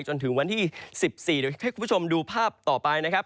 จนถึงวันที่๑๔เดี๋ยวให้คุณผู้ชมดูภาพต่อไปนะครับ